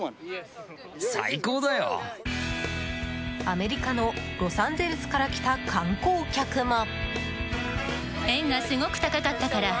アメリカのロサンゼルスから来た観光客も。